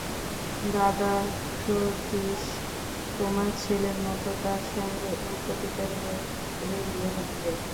দাদা, শচীশ তোমার ছেলের মতো–তার সঙ্গে ঐ পতিতা মেয়ের তুমি বিবাহ দিবে?